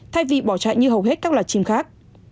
thay vì bỏ chạy như hầu hết các loài chim khác